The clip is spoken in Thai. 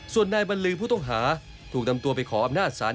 ส่วนนายบรรลือผู้ต้องหาถูกนำตัวไปขออำนาจศาล